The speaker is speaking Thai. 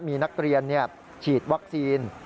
มีนักเรียนฉีดวัคซีน